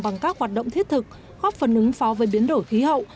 bằng các hoạt động thiết thực góp phần ứng phó với biến đổi khí hậu